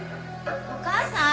お母さん。